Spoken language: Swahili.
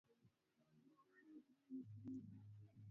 Nilipumbaa akili Niliweza kusahau mikazo yoyote niliyokuwa nayo